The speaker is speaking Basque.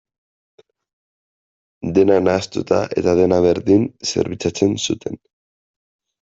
Dena nahastuta eta dena berdin zerbitzatzen zuten.